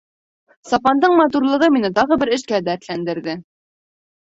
Сапандың матурлығы мине тағы бер эшкә дәртләндерҙе.